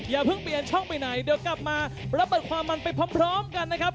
อย่าเพิ่งเปลี่ยนช่องไปไหนเดี๋ยวกลับมาระเบิดความมันไปพร้อมกันนะครับ